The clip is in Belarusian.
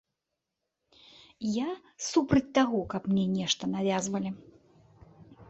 Я супраць таго, каб мне нешта навязвалі.